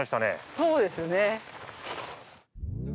そうですね。